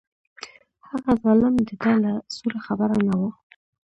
هغه ظالم د ده له سوره خبر نه و.